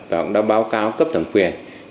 và cũng đã báo cáo cấp thẩm quyền